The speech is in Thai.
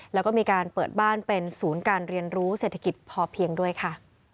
แล้วก็มีการเปิดบ้านเป็นศูนย์การเรียนรู้เศรษฐกิจพอเพียงด้วยค่ะ